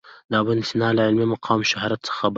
د ابن سینا له علمي مقام او شهرت څخه خبر و.